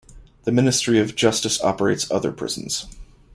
The Ministry of Justice operates other prisons.